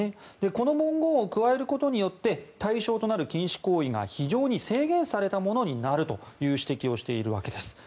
この文言を加えることによって対象となる禁止行為が、非常に制限されたものになるという指摘をしているわけです。